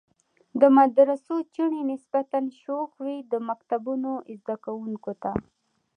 د مدرسو چڼې نسبتاً شوخ وي، د مکتبونو زده کوونکو ته.